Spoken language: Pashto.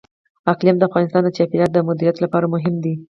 اقلیم د افغانستان د چاپیریال د مدیریت لپاره مهم دي.